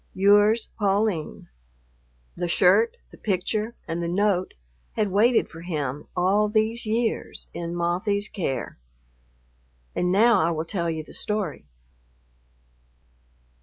Yours, Pauline." The shirt, the picture, and the note had waited for him all these years in Mothie's care. And now I will tell you the story.